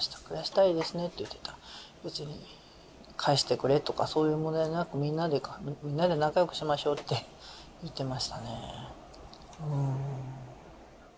暮らしたいですねって言ってた別に返してくれとかそういう問題じゃなくみんなで仲良くしましょうって言ってましたね